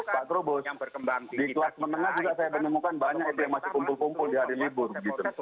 jadi pak trubus di kelas menengah juga saya menemukan banyak yang masih kumpul kumpul di hari libur gitu